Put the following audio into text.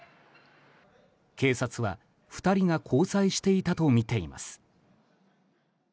警察は２人が交際していたとみています。